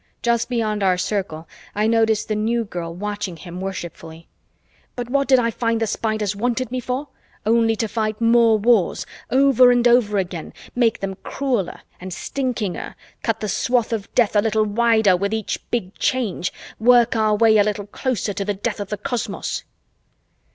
Just beyond our circle, I noticed the New Girl watching him worshipfully. "But what did I find the Spiders wanted me for? Only to fight more wars, over and over again, make them crueler and stinkinger, cut the swath of death a little wider with each Big Change, work our way a little closer to the death of the cosmos."